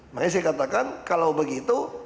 makanya saya katakan kalau begitu